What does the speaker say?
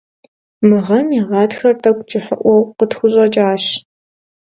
Мы гъэм и гъатхэр тӀэкӀу кӀыхьыӀуэу къытхущӀэкӀащ.